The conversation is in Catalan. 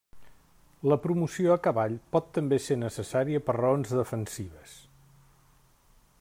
La promoció a cavall pot també ser necessària per raons defensives.